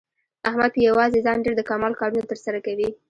احمد په یووازې ځان ډېر د کمال کارونه تر سره کوي.